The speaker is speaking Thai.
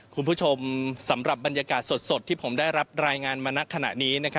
คุณผู้ชมสำหรับบรรยากาศสดที่ผมได้รับรายงานมาณขณะนี้